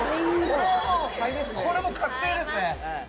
これもう確定ですね。